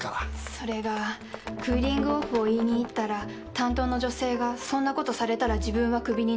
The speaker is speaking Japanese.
それがクーリングオフを言いに行ったら担当の女性が「そんなことされたら自分はクビになる。